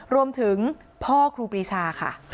รวมถึงพ่อครูปรีชาค่ะ